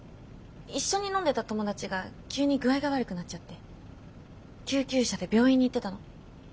一緒に飲んでた友達が急に具合が悪くなっちゃって救急車で病院に行ってたの。